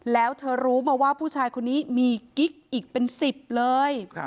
แล้วเธอรู้มาว่าผู้ชายคนนี้มีกิ๊กอีกเป็น๑๐เลย